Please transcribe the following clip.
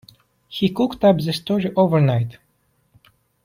He cooked up the story overnight.